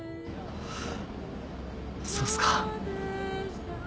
そうっすか